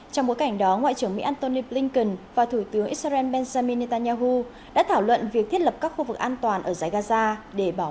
trong bối cảnh đó ngoại trưởng mỹ antony blinken và thủ tướng israel benjamin netanyahu đã thảo luận việc thiết lập các khu vực an toàn ở giải gaza để bảo vệ